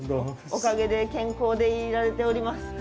おかげで健康でいられております。